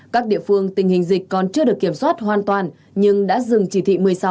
các địa phương tình hình dịch còn chưa được kiểm soát hoàn toàn nhưng đã dừng chỉ thị một mươi sáu